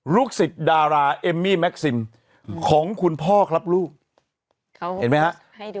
ลูกศิษย์ดาราเอมมี่แม็กซิมของคุณพ่อครับลูกเขาเห็นไหมฮะ